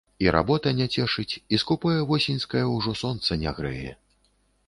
І работа не цешыць, і скупое восеньскае ўжо сонца не грэе.